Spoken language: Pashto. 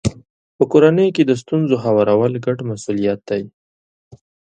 په کورنۍ کې د ستونزو هوارول ګډ مسولیت دی.